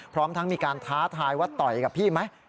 พร้อมทั้งมีการท้าทายว่าต่อยกับพี่ไหม